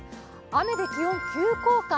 雨で気温、急降下。